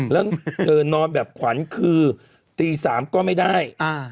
แล้วนอนแบบขวัญคือตี๓ก็ไม่ได้